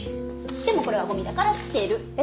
でもこれはゴミだから捨てる。え？